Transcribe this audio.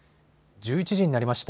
１１時になりました。